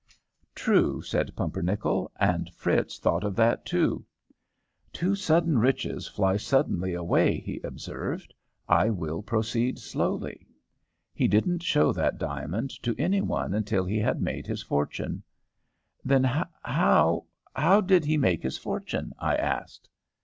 "True," said Pumpernickel, "and Fritz thought of that. 'Too sudden riches fly suddenly away,' he observed. 'I will proceed slowly.' He didn't show that diamond to any one until he had made his fortune." "Then how how did he make his fortune?" I asked.